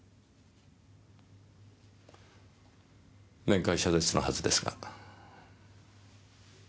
面会謝絶のはずですが。